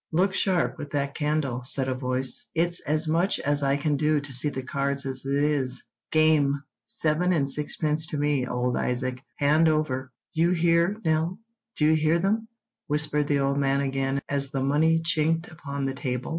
"Look sharp with that candle," said a voice; "it's as much as I can do to see the cards as it is. Game! Seven and sixpence to me, old Isaac. Hand over." "Do you hear, Nell—do you hear them?" whispered the old man again, as the money chinked upon the table.